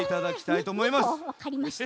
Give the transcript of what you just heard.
わかりました。